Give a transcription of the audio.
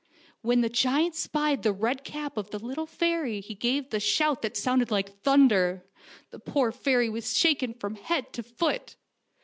When the giant spied the red cap of the little fairy he gave the shout that sounded like thunder. The poor fairy was shaking from head to foot.